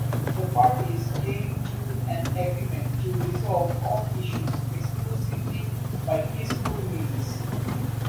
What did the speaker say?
The parties came to an agreement to resolve all issues exclusively by peaceful means.